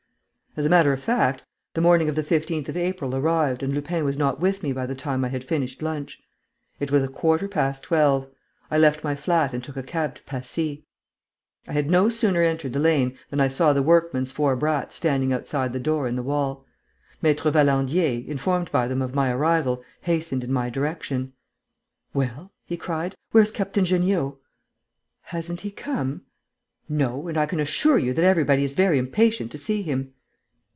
As a matter of fact, the morning of the 15th of April arrived and Lupin was not with me by the time I had finished lunch. It was a quarter past twelve. I left my flat and took a cab to Passy. I had no sooner entered the lane than I saw the workman's four brats standing outside the door in the wall. Maître Valandier, informed by them of my arrival, hastened in my direction: "Well?" he cried. "Where's Captain Jeanniot?" "Hasn't he come?" "No; and I can assure you that everybody is very impatient to see him."